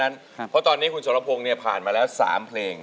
ครับเพราะตอนนี้คุณสำหรับพ้งเนี่ยผ่านมาแล้วสามเพลง